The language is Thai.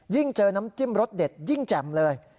เจอน้ำจิ้มรสเด็ดยิ่งแจ่มเลย